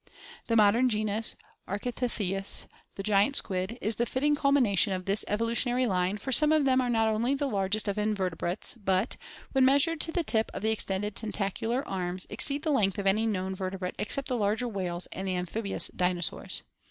The modem genus Architeuthts (Fig. 117), the giant squid, is the fitting culmination of this evolu tionary line, for some of them are not only the largest of invertebrates, but, when measured to the tip of the extended tentacular arms, ex „ ceed the length of any known ver x tebrate except the larger whales > and the amphibious dinosaurs.